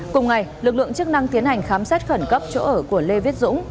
cùng ngày lực lượng chức năng tiến hành khám xét khẩn cấp chỗ ở của lê viết dũng